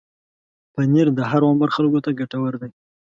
پنېر د هر عمر خلکو ته ګټور دی.